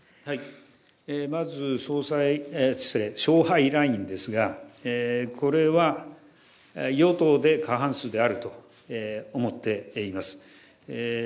まず勝敗ラインですが、これは与党で過半数であると思っています。